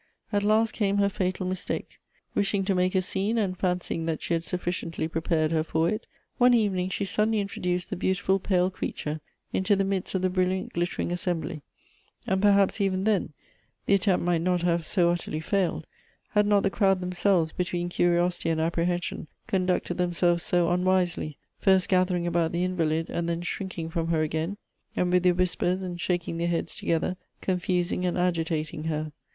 At last came her fatal mis take ; wishing to make a scene, and fancying that she had sufficiently prepared her for it, one evening she sud denly introduced the beautiful pale creature into the midst of the brilliant glittering assembly ; and perhaps even then, the attempt might not have so utterly failed, had not the crowd themselves, between curiosity and apprehension, conducted themselves so unwisely, first gathering about the invalid, and then shrinking from her again ; and with their whispers, and shaking their heads together, confusing and agitating her.